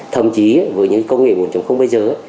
thậm chí với những công nghệ một bây giờ